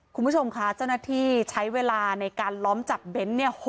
คุณผู้ชมค่ะเจ้าหน้าที่ใช้เวลาในการล้อมจับเน้นเนี่ย